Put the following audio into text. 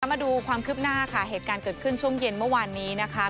มาดูความคืบหน้าค่ะเหตุการณ์เกิดขึ้นช่วงเย็นเมื่อวานนี้นะคะ